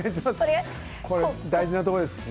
大事なところです。